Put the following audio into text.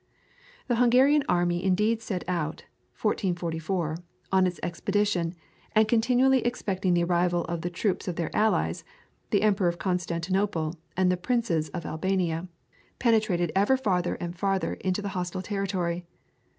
The Hungarian army indeed set out (1444) on its expedition, and continually expecting the arrival of the troops of their allies the Emperor of Constantinople and the Princes of Albania penetrated ever farther and farther into the hostile territory.